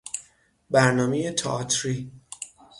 برنامهی تئاتری